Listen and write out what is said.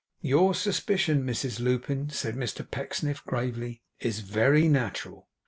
'Your suspicion, Mrs Lupin,' said Mr Pecksniff gravely, 'is very natural.